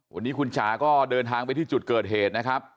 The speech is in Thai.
วันนี้คุณจ๋าก็เดินทางไปที่จุดเกิดเหตุนะครับ